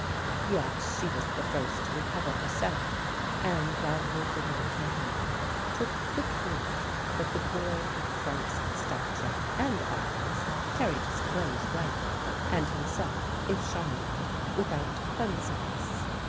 Yet she was the first to recover herself, and, while holding out her hand, took quick note that the boy had Frank's stature and eyes, carried his clothes well, and himself, if shyly, without clumsiness.